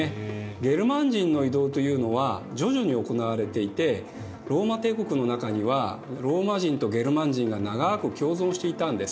ゲルマン人の移動というのは徐々に行われていてローマ帝国の中にはローマ人とゲルマン人が長く共存していたんです。